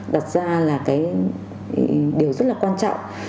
đặt ra là cái điều rất là quan trọng